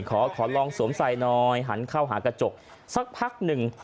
ขอขอลองสวมใส่หน่อยหันเข้าหากระจกสักพักหนึ่ง